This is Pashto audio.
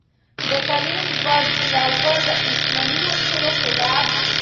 د تعليم بندول د اسلامي اصولو خلاف دي.